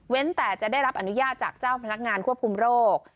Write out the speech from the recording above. แต่จะได้รับอนุญาตจากเจ้าพนักงานควบคุมโรค